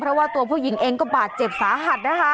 เพราะว่าตัวผู้หญิงเองก็บาดเจ็บสาหัสนะคะ